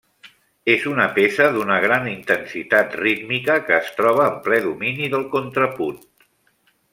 És una peça d'una gran intensitat rítmica que es troba en ple domini del contrapunt.